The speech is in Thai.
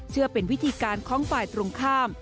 เชื่อเป็นวิธีการคล้องฝ่ายตรงข้าม